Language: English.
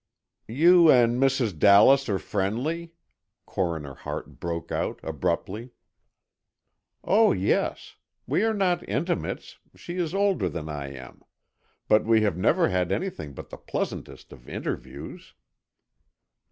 "You and Mrs. Dallas are friendly?" Coroner Hart broke out, abruptly. "Oh, yes. We are not intimates, she is older than I am. But we have never had anything but the pleasantest of interviews."